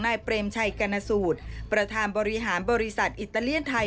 เปรมชัยกรณสูตรประธานบริหารบริษัทอิตาเลียนไทย